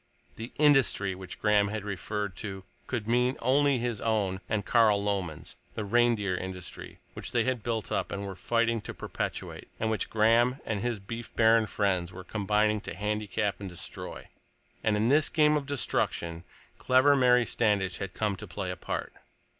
The "industry" which Graham had referred to could mean only his own and Carl Lomen's, the reindeer industry which they had built up and were fighting to perpetuate, and which Graham and his beef baron friends were combining to handicap and destroy. And in this game of destruction clever Mary Standish had come to play a part!